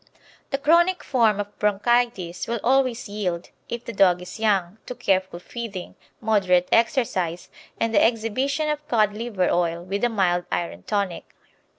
The chronic form of bronchitis will always yield, if the dog is young, to careful feeding, moderate exercise, and the exhibition of cod liver oil with a mild iron tonic.